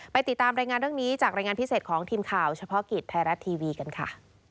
ติดตามรายงานเรื่องนี้จากรายงานพิเศษของทีมข่าวเฉพาะกิจไทยรัฐทีวีกันค่ะ